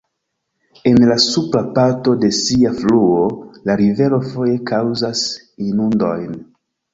En la supra parto de sia fluo la rivero foje kaŭzas inundojn.